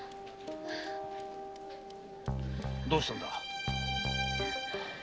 どうしたのだ？